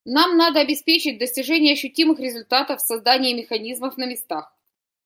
Нам надо обеспечить достижение ощутимых результатов в создании механизмов на местах.